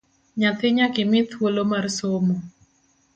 Nyathi nyakimi thuolo mar somo